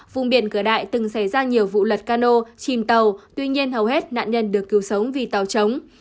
vùng biển cửa đại từng xảy ra nhiều vụ lật cano chìm tàu tuy nhiên hầu hết nạn nhân được cứu sống vì tàu chống